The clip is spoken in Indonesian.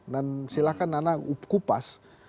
dan silahkan nana kupas